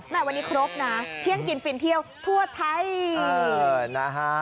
วันนี้ครบนะเที่ยงกินฟินเที่ยวทั่วไทยนะฮะ